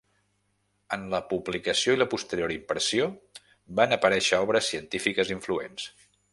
En la publicació i la posterior impressió van aparèixer obres científiques influents.